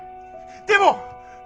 でも！